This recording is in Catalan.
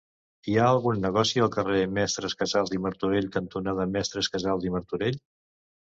Hi ha algun negoci al carrer Mestres Casals i Martorell cantonada Mestres Casals i Martorell?